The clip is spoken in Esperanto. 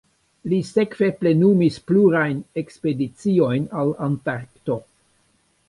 Li sekve plenumis plurajn ekspediciojn al Antarkto.